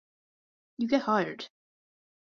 You get hired.